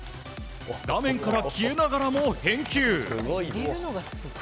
画面から消えながらも返球。